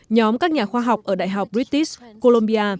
nhóm các nhà khoa học ở đại học british columbia